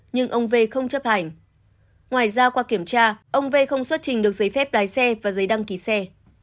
nhưng ông v không chấp hành ngoài ra qua kiểm tra ông v không xuất trình được giấy phép lái xe và giấy đăng ký xe